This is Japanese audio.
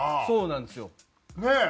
そうなんですよ。